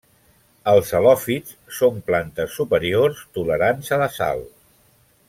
Els halòfits són plantes superiors tolerants a la sal.